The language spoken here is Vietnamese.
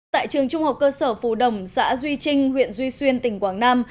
tại trường trung học cơ sở phù đồng xã duy trinh huyện duy xuyên tỉnh quảng nam